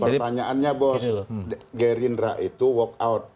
pertanyaannya bos gerindra itu walk out